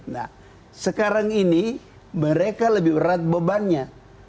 nah sekarang ini mereka lebih berat bebannya